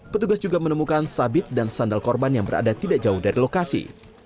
petugas juga menemukan sabit dan sandal korban yang berada tidak jauh dari lokasi